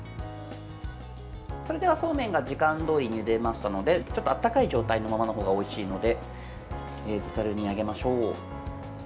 それでは、そうめんが時間どおりゆでましたので温かい状態のままのほうがおいしいのでざるに上げましょう。